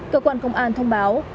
cơ quan công an thông báo